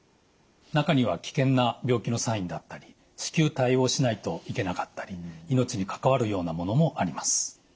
中には危険な病気のサインだったり至急対応しないといけなかったり命に関わるようなものもあります。